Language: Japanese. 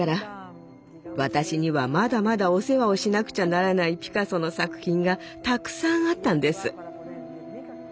私にはまだまだお世話をしなくちゃならないピカソの作品がたくさんあったんです。